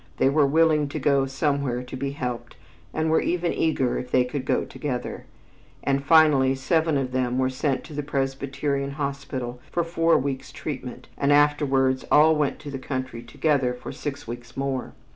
They were willing to go somewhere to be helped, and were even eager if they could go together, and finally seven of them were sent to the Presbyterian Hospital for four weeks' treatment and afterwards all went to the country together for six weeks more.